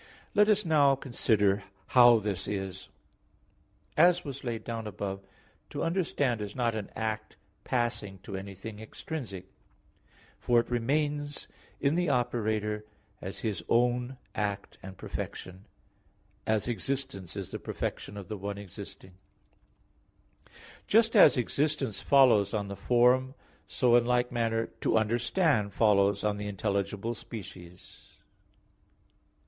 Let us now consider how this is. As was laid down above (A. 2), to understand is not an act passing to anything extrinsic; for it remains in the operator as his own act and perfection; as existence is the perfection of the one existing: just as existence follows on the form, so in like manner to understand follows on the intelligible species.